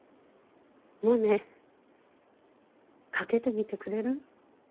モネかけてみてくれる？